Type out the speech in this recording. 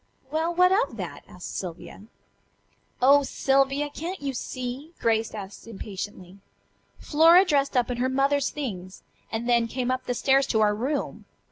"Well, what of that?" asked Sylvia. "Oh, Sylvia! Can't you see?" Grace asked impatiently. "Flora dressed up in her mother's things, and then came up the stairs to our room.